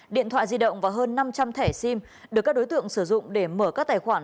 điện thoại di động và hơn năm trăm linh thẻ sim được các đối tượng sử dụng để mở các tài khoản